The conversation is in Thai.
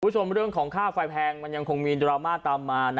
คุณผู้ชมเรื่องของค่าไฟแพงมันยังคงมีดราม่าตามมา